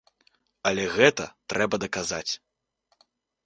Але гэта трэба даказаць.